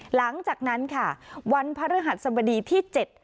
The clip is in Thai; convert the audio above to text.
หลังจากนั้นค่ะวันพระฤหัสสบดีที่๗